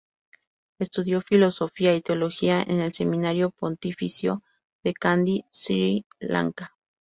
Estudió filosofía y teología en el Seminario Pontificio de Kandy, Sri Lanka.